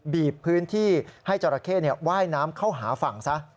บีบพื้นที่ให้จราเข้ว่ายน้ำเข้าหาฝั่งซะ